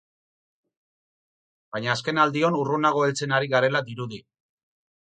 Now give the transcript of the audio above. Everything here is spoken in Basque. Baina azkenaldion urrunago heltzen ari garela dirudi.